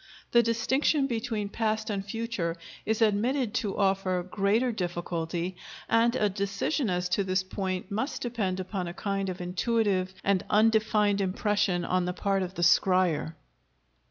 The distinction between past and future is admitted to offer greater difficulty and a decision as to this point must depend upon a kind of intuitive and undefined impression on the part of the scryer.